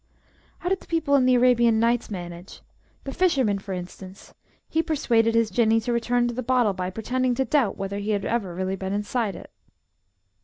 How did the people in "The Arabian Nights" manage? The fisherman, for instance? He persuaded his Jinnee to return to the bottle by pretending to doubt whether he had ever really been inside it.